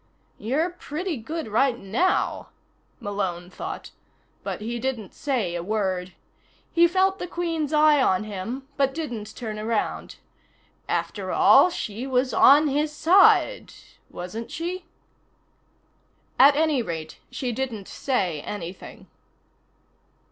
You're pretty good right now, Malone thought, but he didn't say a word. He felt the Queen's eye on him but didn't turn around. After all, she was on his side wasn't she? At any rate, she didn't say anything.